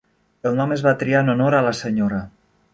El nom es va triar en honor a la senyora.